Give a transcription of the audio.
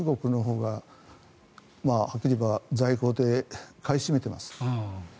どんどん中国のほうがはっきり言えば在庫で買い占めています。